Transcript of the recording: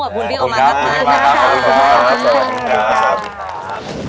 ขอบคุณกลัวเมื่อกลัวครับผมครับครับ